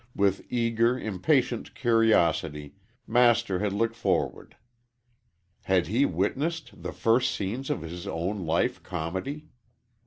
With eager, impatient curiosity, Master had looked 'orward. Had he witnessed the first scenes of his own life comedy?